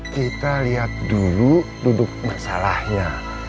kita lihat dulu duduk masalahnya